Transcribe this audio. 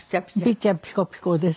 「ピッチャンピコピコ」です。